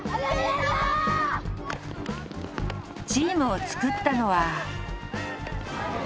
チームを作ったのは。